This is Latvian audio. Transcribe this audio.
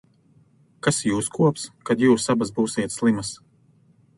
Kas jūs kops, kad jūs abas būsiet slimas.